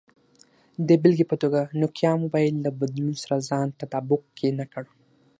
د بېلګې په توګه، نوکیا موبایل له بدلون سره ځان تطابق کې نه کړ.